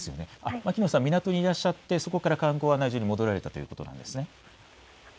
牧野さん、港にいらっしゃってそこから観光案内所に戻られたということなんですね。